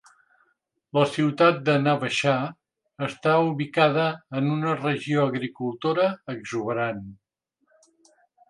La ciutat de Nawabshah està ubicada en una regió agricultora exuberant.